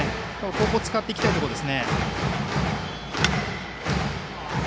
ここを使っていきたいところです。